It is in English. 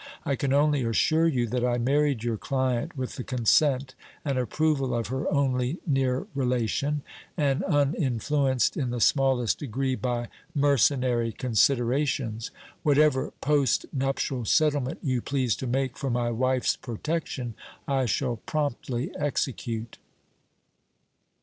I can only assure you that I married your client with the consent and approval of her only near relation, and uninfluenced in the smallest degree by mercenary considerations. Whatever post nuptial settlement you please to make for my wife's protection I shall promptly execute."